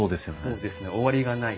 そうですね終わりがない。